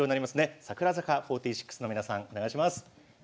櫻坂４６の皆さんお願いします。